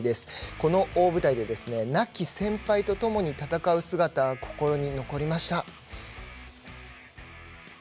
この大舞台で亡き先輩とともに戦う姿、心に残りました。